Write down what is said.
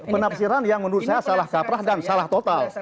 penafsiran yang menurut saya salah kaprah dan salah total